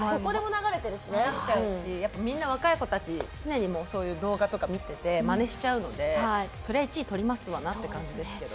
流行っちゃうしやっぱみんな若い子たち常にそういう動画とか見ててマネしちゃうのでそりゃあ１位取りますわなって感じですけど。